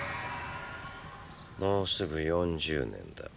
もうすぐ４０年だ。